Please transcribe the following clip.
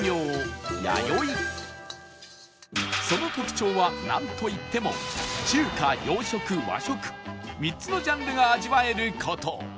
その特徴はなんといっても中華洋食和食３つのジャンルが味わえる事